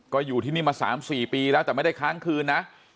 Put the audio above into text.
ก็อยู่ที่นี่มา๓๔ปีแล้วแต่ไม่ได้ค้างคืนนะ